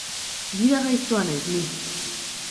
Gida gaiztoa naiz, ni!